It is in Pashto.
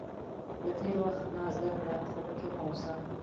• له تېر وخت نه زده کړه، خو پکې مه اوسه.